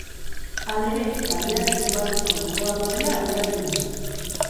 Halere, taldeak izugarrizko gogoa duela adierazi du.